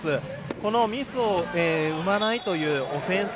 このミスを生まないというオフェンス。